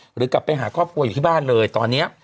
หรือกลับไปหาครอบครัวอยู่ที่บ้านเลยตอนนี้